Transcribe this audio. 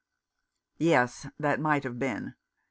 "Yes — that might have been.